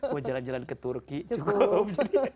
mau jalan jalan ke turki cukup